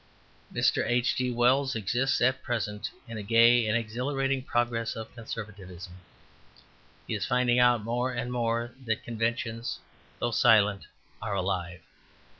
Mr. H. G. Wells exists at present in a gay and exhilarating progress of conservativism. He is finding out more and more that conventions, though silent, are alive.